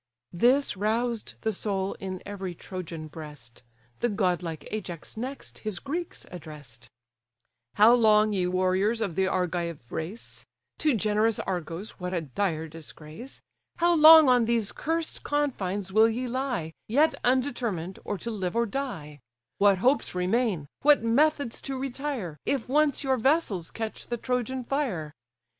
This roused the soul in every Trojan breast: The godlike Ajax next his Greeks address'd: "How long, ye warriors of the Argive race, (To generous Argos what a dire disgrace!) How long on these cursed confines will ye lie, Yet undetermined, or to live or die? What hopes remain, what methods to retire, If once your vessels catch the Trojan fire?